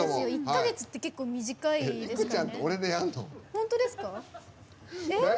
１か月って結構短いですから。